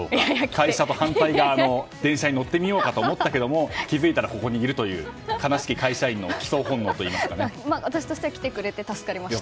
会社と反対側の電車に乗ってみようかと思ったけどここにいるという私としては来てくれて助かりました。